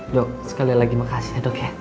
dok sekali lagi makasih ya dok ya